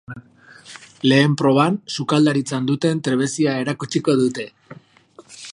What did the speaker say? Lehen proban, sukaldaritzan duten trebezia erakutsiko dute.